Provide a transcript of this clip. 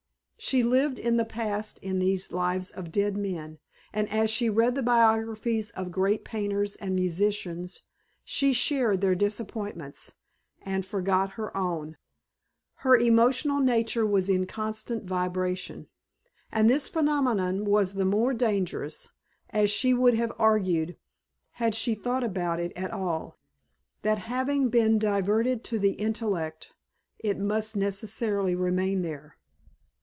She lived in the past in these lives of dead men; and as she read the biographies of great painters and musicians she shared their disappointments and forgot her own. Her emotional nature was in constant vibration, and this phenomenon was the more dangerous, as she would have argued had she thought about it at all that having been diverted to the intellect it must necessarily remain there.